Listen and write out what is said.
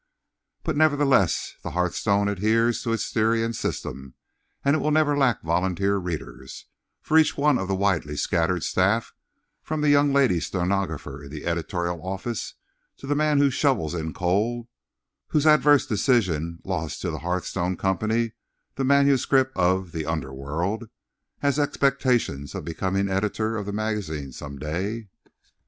But nevertheless the Hearthstone adheres to its theory and system, and it will never lack volunteer readers; for each one of the widely scattered staff, from the young lady stenographer in the editorial office to the man who shovels in coal (whose adverse decision lost to the Hearthstone Company the manuscript of "The Under World"), has expectations of becoming editor of the magazine some day.